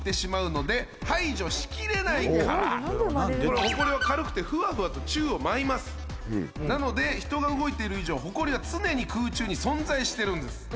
ホコリは軽くてフワフワと宙を舞いますなので人が動いている以上ホコリは常に空中に存在してるんです